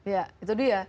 ya itu dia